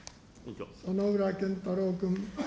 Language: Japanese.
薗浦健太郎君。